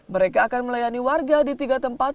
mereka akan melayani warga di tiga tempat